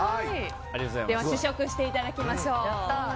では試食していただきましょう。